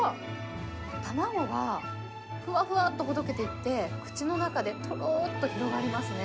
卵がふわっふわとほどけていって、口の中でとろーっと広がりますね。